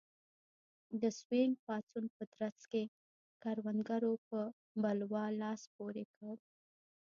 د سوینګ پاڅون په ترڅ کې کروندګرو په بلوا لاس پورې کړ.